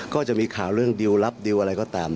ก็จะมีข่าวเรื่องดิวรับดิวอะไรก็ตาม